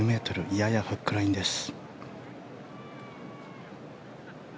ややフックラインです。